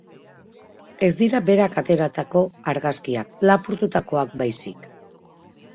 Ez dira berak ateratako argazkiak, lapurtutakoak baizik.